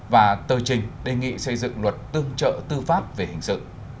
và tờ trình đề nghị xây dựng luật tương trợ tư pháp về hình sự